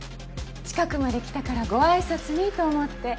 近くまで来たからご挨拶にと思って。